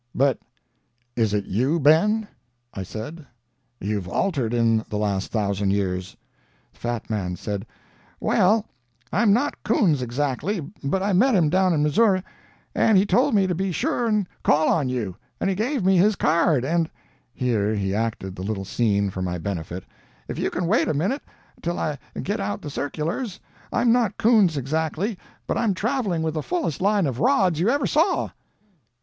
"'But is it you, Ben?' I said. 'You've altered in the last thousand years.' "The fat man said: 'Well, I'm not Koontz exactly, but I met him down in Missouri, and he told me to be sure and call on you, and he gave me his card, and'—here he acted the little scene for my benefit—'if you can wait a minute till I can get out the circulars—I'm not Koontz exactly, but I'm travelling with the fullest line of rods you ever saw.'"